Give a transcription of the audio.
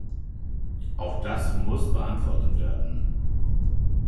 Auch das muss beantwortet werden.